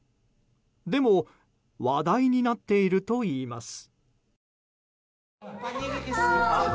でも話題になっているといいます。